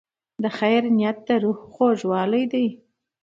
د خیر نیت د روح خوږوالی دی.